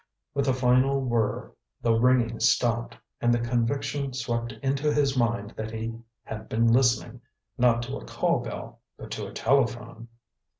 With a final whir the ringing stopped, and the conviction swept into his mind that he had been listening, not to a call bell, but to a telephone.